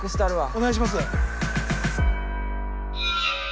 お願いします。